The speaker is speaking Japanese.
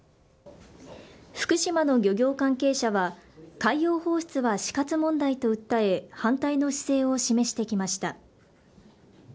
福島の漁業関係者は、海洋放出は死活問題と訴え、反対の姿勢を示してきました。